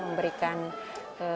sebagai pengungsi yang bisa diperoleh